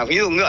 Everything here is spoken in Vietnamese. ví dụ ngựa